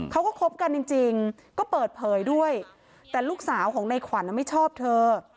เขาก็คบกันจริงก็เปิดเผยด้วยแต่ลูกสาวของในขวัญไม่ชอบเธอ